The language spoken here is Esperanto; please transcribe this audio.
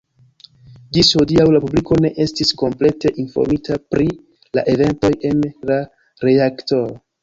Ĝis hodiaŭ la publiko ne estis komplete informita pri la eventoj en la reaktoro.